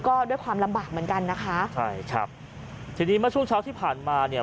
ก็ด้วยความลำบากเหมือนกันนะคะใช่ครับทีนี้เมื่อช่วงเช้าที่ผ่านมาเนี่ย